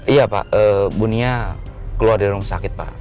iya pak bunia keluar dari rumah sakit pak